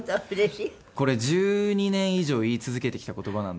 これ１２年以上言い続けてきた言葉なので。